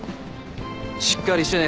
しっかりしてね。